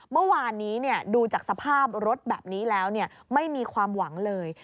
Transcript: เมื่อวานนี้ดูจากสภาพรถแบบนี้แล้วไม่มีความหวังเลย